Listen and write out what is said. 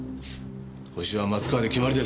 ホシは松川で決まりです。